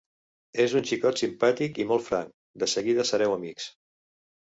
És un xicot simpàtic i molt franc: de seguida sereu amics.